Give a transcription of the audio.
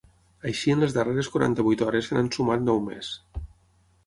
Així en les darreres quaranta-vuit hores se n’han sumat nou més.